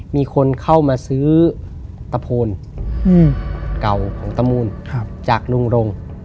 มีคนเข้ามาซื้อตะโพนเก่าของตะมูลจากลุงรง